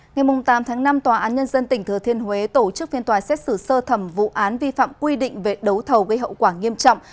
ngày tám tháng năm tòa án nhân dân tỉnh thừa thiên huế tổ chức phiên tòa xét xử sơ thẩm vụ án vi phạm quy định về đấu thầu gây hậu quả nghiêm trọng